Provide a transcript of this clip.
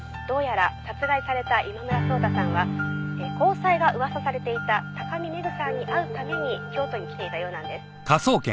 「どうやら殺害された今村草太さんは交際が噂されていた高見メグさんに会うために京都に来ていたようなんです」